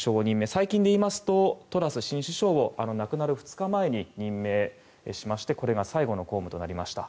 最近で言いますとトラス新首相を亡くなる２日前に任命しましてこれが最後の公務となりました。